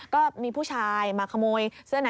ก็มีผู้ชายมาขโมยเสื้อใน